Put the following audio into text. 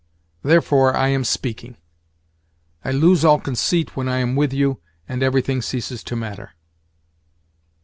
Therefore, I am speaking. I lose all conceit when I am with you, and everything ceases to matter."